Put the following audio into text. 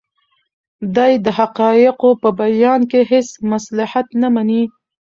دی د حقایقو په بیان کې هیڅ مصلحت نه مني.